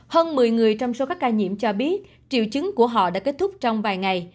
hơn một mươi người trong số các ca nhiễm cho biết triệu chứng của họ đã kết thúc trong vài ngày